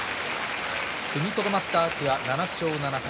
踏みとどまった天空海７勝７敗。